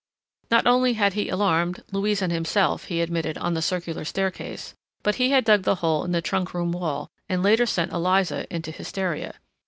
Not only had he alarmed—Louise and himself, he admitted—on the circular staircase, but he had dug the hole in the trunk room wall, and later sent Eliza into hysteria.